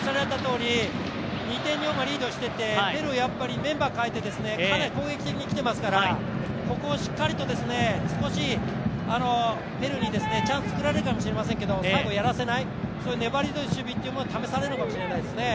２点、日本がリードしていてペルーはメンバーを代えてかなり攻撃的にきていますからここをしっかりと少しペルーにチャンス作られるかもしれないけど最後やらせない、そういう粘り強い守備というのが試されるのかもしれないですね。